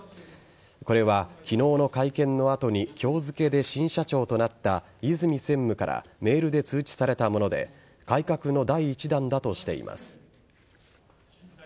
これは昨日の会見の後に今日付で新社長となった和泉専務からメールで通知されたもので改革の第１弾だとしています。